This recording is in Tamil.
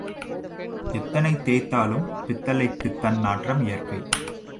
எத்தனை தேய்த்தாலும் பித்தளைக்குத் தன் நாற்றம் இயற்கை.